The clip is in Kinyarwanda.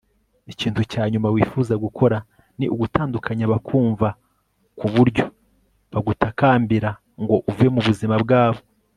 ikintu cya nyuma wifuza gukora ni ugutandukanya abakwumva ku buryo bagutakambira ngo uve mu buzima bwabo